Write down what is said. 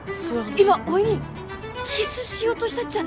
今おいにキスしようとしたっちゃね？